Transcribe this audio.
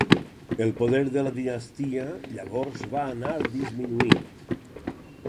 El poder de la dinastia llavors va anar disminuint.